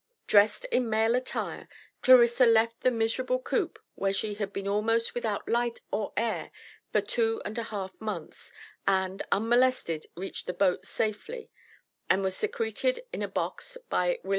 Dressed in male attire, Clarissa left the miserable coop where she had been almost without light or air for two and a half months, and unmolested, reached the boat safely, and was secreted in a box by Wm.